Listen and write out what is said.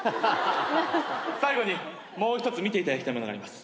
最後にもう一つ見ていただきたいものがあります。